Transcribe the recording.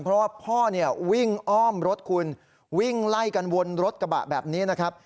เพราะว่าพ่อเนี่ยวิ่งอ้อมรถคุณวิ่งไล่กันวนรถกระบะแบบนี้นะครับ